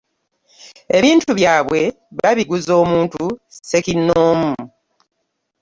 Ebintu byabwe babiguza omuntu ssekinoomu.